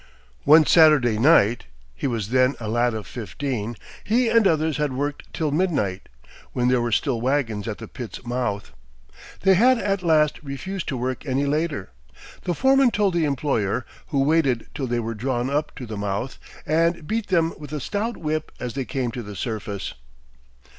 One Saturday night (he was then a lad of fifteen) he and others had worked till midnight, when there were still wagons at the pit's mouth. They had at last refused to work any later. The foreman told the employer, who waited till they were drawn up to the mouth, and beat them with a stout whip as they came to the surface."